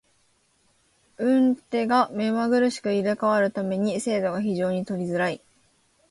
運手が目まぐるしく入れ替わる為に精度が非常に取りづらい。